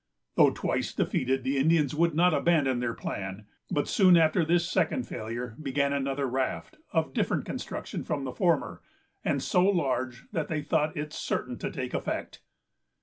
Though twice defeated, the Indians would not abandon their plan, but, soon after this second failure, began another raft, of different construction from the former, and so large that they thought it certain to take effect.